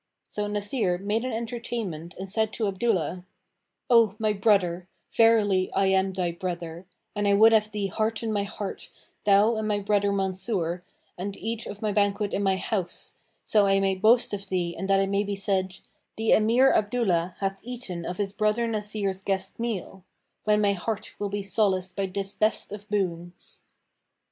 So Nasir made an entertainment and said to Abdullah, "O my brother, verily I am thy brother, and I would have thee hearten my heart thou and my brother Mansur and eat of my banquet in my house, so I may boast of thee and that it may be said, The Emir Abdullah hath eaten of his brother Nasir's guest meal; when my heart will be solaced by this best of boons."